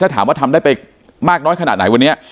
ถามว่าทำได้ไปมากน้อยขนาดไหนวันนี้